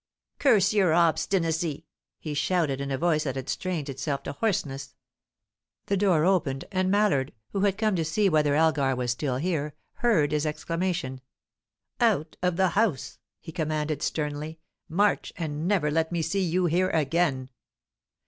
"Curse your obstinacy!" he shouted, in a voice that had strained itself to hoarseness. The door opened, and Mallard, who had come to see whether Elgar was still here, heard his exclamation. "Out of the house!" he commanded sternly. "March! And never let me see you here again."